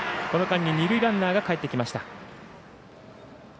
この間に二塁ランナーがかえってきました。